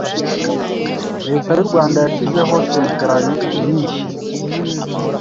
Leta y’u Rwanda yashyizeho centalali nyinshi